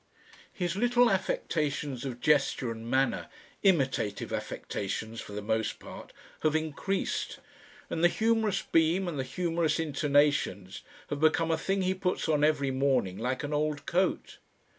His little affectations of gesture and manner, imitative affectations for the most part, have increased, and the humorous beam and the humorous intonations have become a thing he puts on every morning like an old coat.